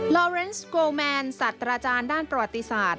ลอเรนสโกแมนสัตว์อาจารย์ด้านประวัติศาสตร์